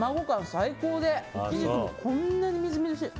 最高でイチジクもこんなにみずみずしい。